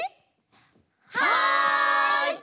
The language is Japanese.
はい！